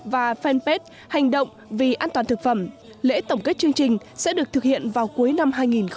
và fanpage hành động vì an toàn thực phẩm lễ tổng kết chương trình sẽ được thực hiện vào cuối năm hai nghìn một mươi chín